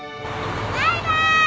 バイバーイ！